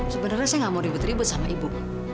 sebenarnya saya nggak mau ribut ribut sama ibu